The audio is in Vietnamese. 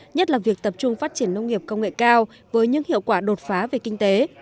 nhất là việc tập trung phát triển nông nghiệp công nghệ cao với những hiệu quả đột phá về kinh tế